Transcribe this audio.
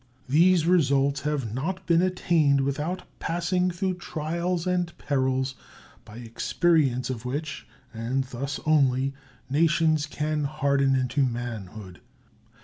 These results have not been attained without passing through trials and perils, by experience of which, and thus only, nations can harden into manhood.